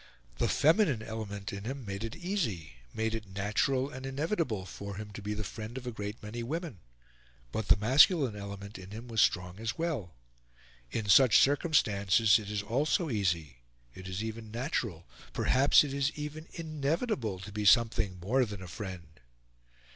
The feminine element in him made it easy, made it natural and inevitable for him to be the friend of a great many women; but the masculine element in him was strong as well. In such circumstances it is also easy, it is even natural, perhaps it is even inevitable, to be something more than a friend.